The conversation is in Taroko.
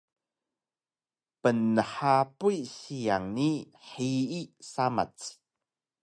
pnhapuy siyang ni hiyi samac